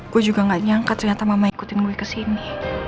gue juga gak nyangka ternyata mama ikutin gue kesini